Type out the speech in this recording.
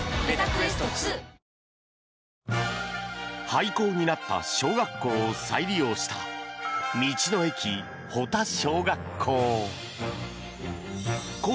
廃校になった小学校を再利用した道の駅・保田小学校。